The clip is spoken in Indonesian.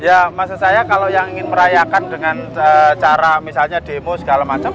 ya maksud saya kalau yang ingin merayakan dengan cara misalnya demo segala macam